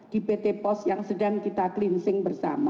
di pt pos yang sedang kita cleansing bersama